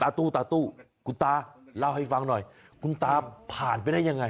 ตู้ตาตู้คุณตาเล่าให้ฟังหน่อยคุณตาผ่านไปได้ยังไง